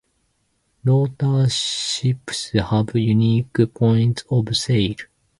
Rotor ships have unique points of sail.